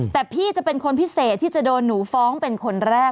แต่พี่จะเป็นคนพิเศษที่จะโดนหนูฟ้องเป็นคนแรก